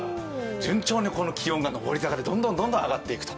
順調に気温が上り坂でどんどん上がっていくと。